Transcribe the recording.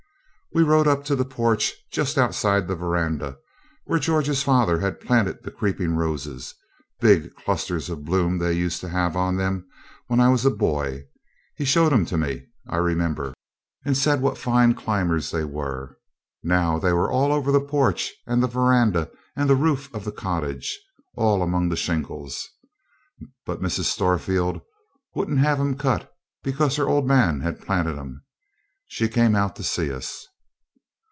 We rode up to the porch just outside the verandah where George's father had planted the creeping roses; big clusters of bloom they used to have on 'em when I was a boy. He showed 'em to me, I remember, and said what fine climbers they were. Now they were all over the porch, and the verandah, and the roof of the cottage, all among the shingles. But Mrs. Storefield wouldn't have 'em cut because her old man had planted 'em. She came out to see us.